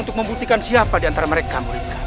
untuk membuktikan siapa diantara mereka